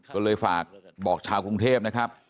ก็เลยฝากบอกชาวกรุงเทพนะครับ